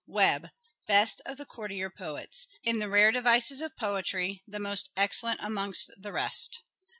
Webbe. Best of the courtier poets. In the rare devices of poetry the most excellent amongst the rest.